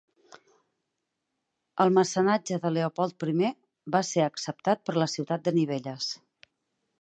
El mecenatge de "Leopold primer" va ser acceptat per la ciutat de Nivelles.